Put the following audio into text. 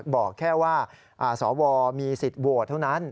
บอกแค่ว่าสวมีสิทธิ์โหวตเท่านั้น